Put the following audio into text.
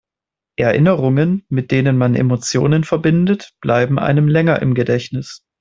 Erinnerungen, mit denen man Emotionen verbindet, bleiben einem länger im Gedächtnis.